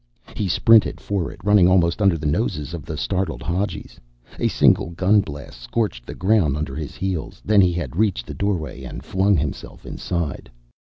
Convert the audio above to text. He sprinted for it, running almost under the noses of the startled Hadjis. A single gun blast scorched the ground under his heels; then he had reached the doorway and flung himself inside.